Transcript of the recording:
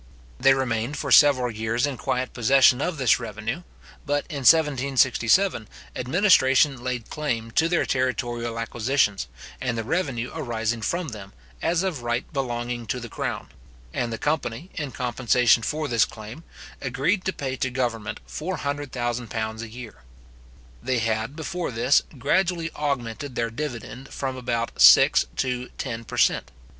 They remained for several years in quiet possession of this revenue; but in 1767, administration laid claim to their territorial acquisitions, and the revenue arising from them, as of right belonging to the crown; and the company, in compensation for this claim, agreed to pay to government £400,000 a year. They had, before this, gradually augmented their dividend from about six to ten per cent.